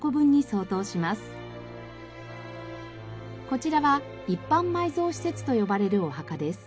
こちらは一般埋蔵施設と呼ばれるお墓です。